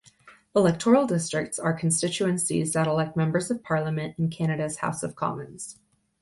Electoral Districts are constituencies that elect Members of Parliament in Canada's House of Commons.